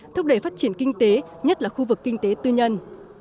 thúc đẩy phát triển kinh tế nhất là khu vực kinh tế tư nhân